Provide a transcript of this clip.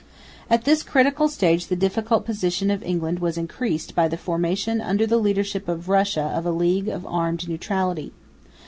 At this critical stage the difficult position of England was increased by the formation under the leadership of Russia of a League of Armed Neutrality.